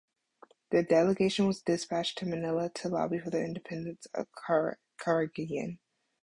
The delegation was dispatched to Manila to lobby for the independence of Carangian.